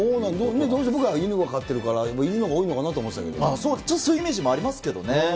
僕、犬飼っているから、イヌのほうが多いのかなと思ってそういうイメージもありますけどね。